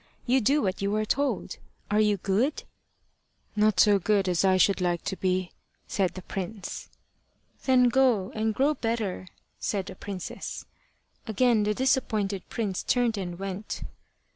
You do what you are told. Are you good?" "Not so good as I should like to be," said the prince. "Then go and grow better," said the princess. Again the disappointed prince turned and went.